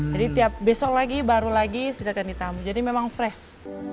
jadi tiap besok lagi baru lagi disediakan di tamu jadi memang fresh